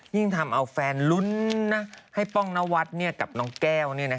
ยิ่งทำเอาแฟนลุ้นนะให้ป้องนวัดเนี่ยกับน้องแก้วเนี่ยนะฮะ